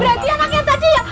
berarti anaknya tadi ya